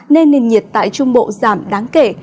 nên nền nhiệt tại trung bộ giảm đáng kể